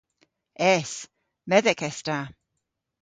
Es. Medhek es ta.